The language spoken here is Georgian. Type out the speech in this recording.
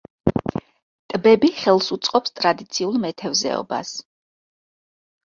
ტბები ხელს უწყობს ტრადიციულ მეთევზეობას.